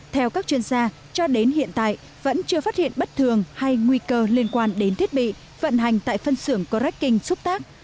theo các chuyên gia cho đến hiện tại vẫn chưa phát hiện bất thường hay nguy cơ liên quan đến thiết bị vận hành tại phân xưởng có ráching xúc tác